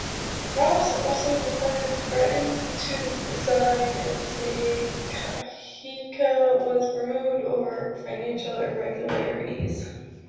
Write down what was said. Ross also reportedly threaten to resign if Te Kahika was removed over financial irregularities.